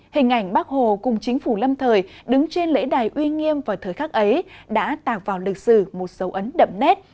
hình ảnh bác hồ cùng chính phủ lâm thời đứng trên lễ đài uy nghiêm vào thời khắc ấy đã tạc vào lịch sử một dấu ấn đậm nét